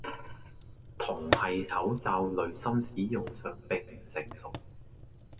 銅喺口罩濾芯使用上並唔成熟